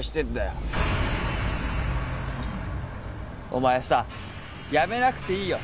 お前さ辞めなくていいよ。